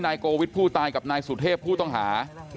นายโกวิทย์ผู้ตายกับนายสุทธิพย์ผู้ต้องหา